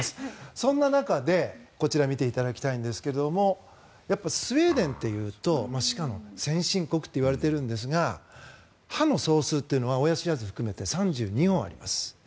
そんな中で、こちら見ていただきたいんですけれどもスウェーデンというと歯科の先進国といわれているんですが歯の総数というのは親知らずを含めて３２本あります。